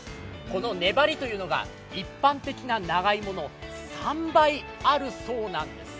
この粘りというのか一般的な長芋の３倍あるそうなんです。